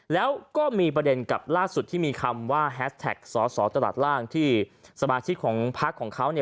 แล้วก็มีประเด็นกับล่าสุดที่มีคำว่าแฮสแท็กสอสอตลาดล่างที่สมาชิกของพักของเขาเนี่ย